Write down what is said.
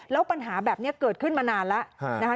แล้วปัญหาแบบนี้เกิดขึ้นมานานแล้วนะคะ